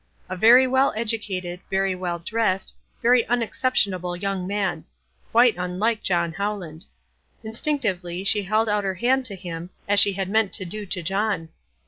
A very well educated, very well dressed, very unexception able young man ; quite unlike John Howland. Instinctively she held out her hand to him, as she had meant to do to John.